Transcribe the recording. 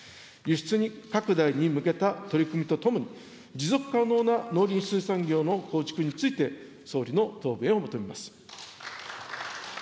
輸出拡大に向けた取り組みとともに、持続可能な農林水産業の構築について、総理の答弁を求めます。